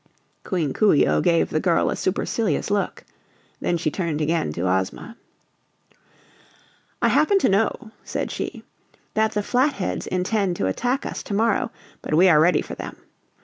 Queen Coo ee oh gave the girl a supercilious look. Then she turned again to Ozma. "I happen to know," said she, "that the Flatheads intend to attack us tomorrow, but we are ready for them.